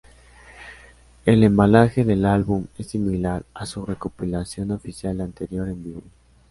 El embalaje del álbum es similar a su recopilación oficial anterior en vivo.